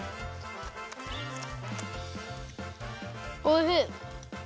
おいしい！